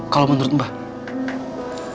kalau menurut mbak